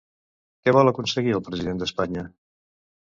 Què vol aconseguir el president d'Espanya?